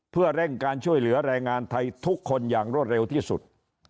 เพื่อเร่งการช่วยเหลือแรงงานไทยทุกคนอย่างรวดเร็วที่สุด